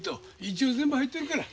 一応全部入ってるから。